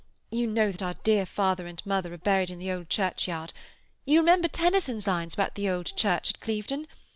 You know that our dear father and mother are buried in the old churchyard. You remember Tennyson's lines about the old church at Clevedon?